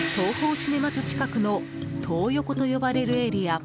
シネマズ近くのトー横と呼ばれるエリア。